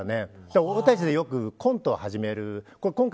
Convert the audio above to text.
俺たちでよくコントを始める。